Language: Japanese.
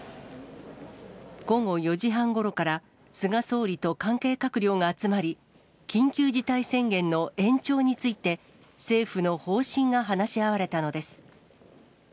午後４時半ごろから、菅総理と関係閣僚が集まり、緊急事態宣言の延長について、政府の方針が話し合われたのです。